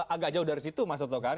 agak jauh dari situ mas soto kan